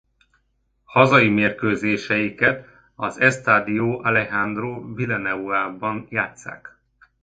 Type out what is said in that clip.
Hazai mérkőzéseiket az Estadio Alejandro Villanuevában játsszák.